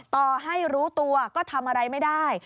ต่อให้รู้ตัวก็ทำอะไรไม่ได้